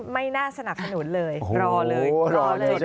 ไม่น่าสนับสนุนเลยรอเลยรอเลย